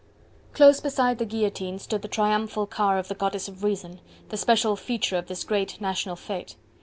Close beside the guillotine stood the triumphal car of the Goddess of Reason, the special feature of this great national fete.